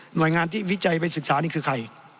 โดยงานที่วิจัยไปศึกษานี่คือใคร